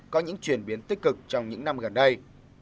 có những chuyển biến tích cực trong những năm gần đây